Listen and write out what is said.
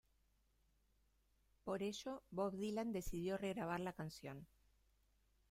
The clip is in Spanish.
Por ello Bob Dylan decidió regrabar la canción.